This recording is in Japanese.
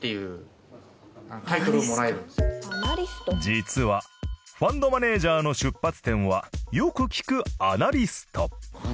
実はファンドマネージャーの出発点はよく聞くアナリスト。